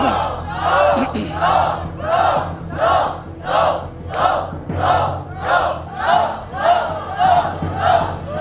เป็นอินโทรเพลงที่๔มูลค่า๖๐๐๐๐บาท